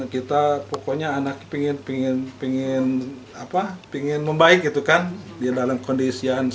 kita pokoknya anak pingin pingin pingin apa pingin membaik itu kan dia dalam kondisian seterusnya